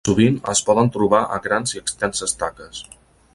Sovint es poden trobar a grans i extenses taques.